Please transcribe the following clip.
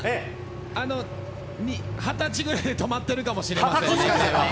２０歳ぐらいで止まってるかもしれません。